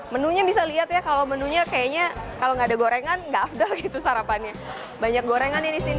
menunya bisa lihat ya kalau menunya kayaknya kalau nggak ada gorengan nggak afdal gitu sarapannya banyak gorengan ya disini